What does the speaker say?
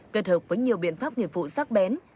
kết hợp với nhiều biện pháp nghiệp vụ sát bén